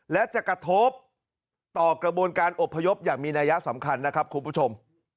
และจะกระทบต่อกระบวนการอบพยพอย่างมีนัยสำคัญนะครับคุณผู้ชม